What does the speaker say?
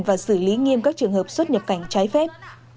và xử lý nghiêm các trường hợp xuất nhập cảnh trái phép